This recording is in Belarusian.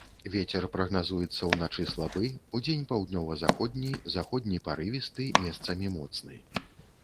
Вецер прагназуецца ўначы слабы, удзень паўднёва-заходні, заходні парывісты, месцамі моцны.